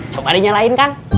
coba dinyalain kang